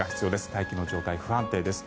大気の状態、不安定です。